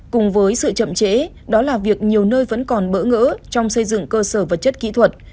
cùng với sự chậm chế đó là việc nhiều nơi vẫn còn bỡ ngỡ trong xây dựng cơ sở vật chất kỹ thuật